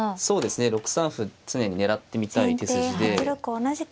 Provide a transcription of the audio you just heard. そうですね６三歩常に狙ってみたい手筋で。